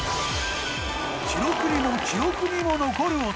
記録にも記憶にも残る男。